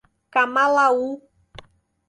Camalaú